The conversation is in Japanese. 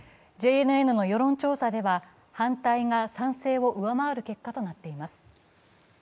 ＪＮＮの世論調査では反対が賛成を上回る結果となっています。